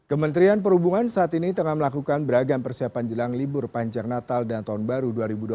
kementerian perhubungan saat ini tengah melakukan beragam persiapan jelang libur panjang natal dan tahun baru dua ribu dua puluh